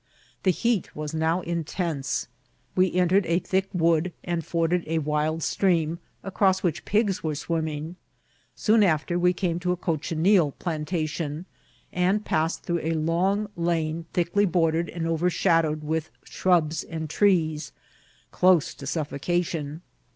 The hea{ was now intense. We entered a thick wood and forded a wild stream, across which pigs were swim« ming. Soon after we came to a cochineal plantation, and passed through a long lane thickly bordered and overshaded with shrubs and trees, close to suffocation.